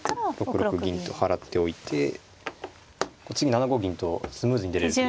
６六銀と払っておいて次に７五銀とスムーズに出れるという。